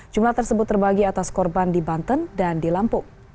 jumlah tersebut terbagi atas korban di banten dan di lampung